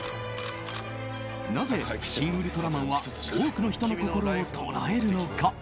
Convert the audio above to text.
なぜ「シン・ウルトラマン」は多くの人の心を捉えるのか。